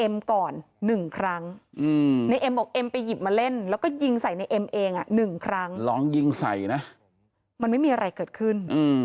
มันไม่มีอะไรเกิดขึ้น